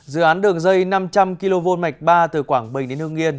dự án đường dây năm trăm linh kv mạch ba từ quảng bình đến hương nghiên